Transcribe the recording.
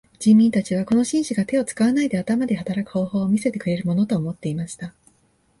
人民たちはこの紳士が手を使わないで頭で働く方法を見せてくれるものと思っていました。